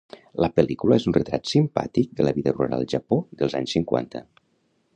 La pel·lícula és un retrat simpàtic de la vida rural al Japó dels anys cinquanta.